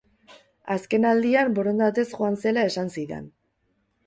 Azken aldian borondatez joan zela esan zidan.